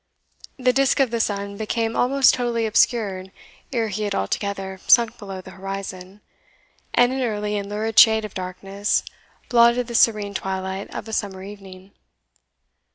The disk of the sun became almost totally obscured ere he had altogether sunk below the horizon, and an early and lurid shade of darkness blotted the serene twilight of a summer evening.